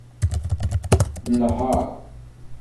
Nheṛ.